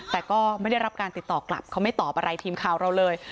แต่ก็ไม่ได้รับการติดต่อกลับเขาไม่ตอบอะไรทีมข่าวเราเลย